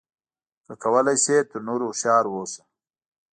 که کولای شې تر نورو هوښیار اوسه.